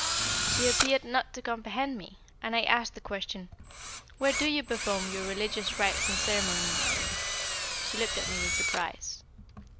She appeared not to comprehend me, and I asked the question: "Where do you perform your religious rites and ceremonies?" She looked at me with surprise.